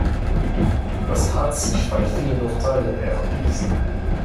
Das hat sich bei vielen Urteilen erwiesen.